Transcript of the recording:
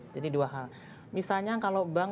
jadi dua hal misalnya kalau bank